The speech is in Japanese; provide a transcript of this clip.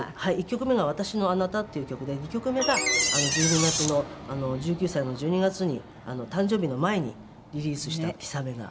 １曲目が『私のあなた』っていう曲で２曲目が１２月の１９歳の１２月に誕生日の前にリリースした『氷雨』が。